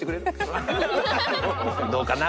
どうかな？